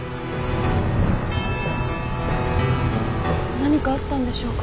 何かあったんでしょうか。